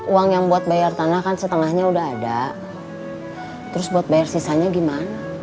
uang yang buat bayar tanah kan setengah nya udah ada